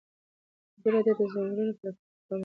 ازادي راډیو د د ځنګلونو پرېکول ته پام اړولی.